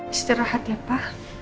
istirahat ya pa